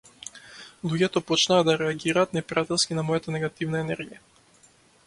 Луѓето почнаа да реагираат непријателски на мојата негативна енергија.